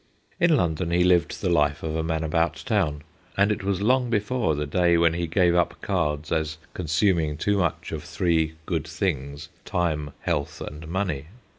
In London he lived the life of a man about town, and it was long before the day when he gave up cards as consuming too much of three good things, time, health, and money.